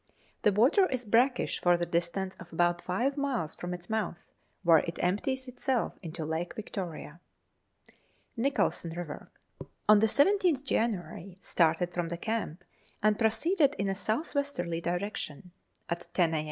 The water is brackish for the distance of about five miles from its mouth, where it empties itself into Lake Victoria. Nicholson River. On the 17th January, started from the camp, and proceeded in a south westerly direction. At ten a.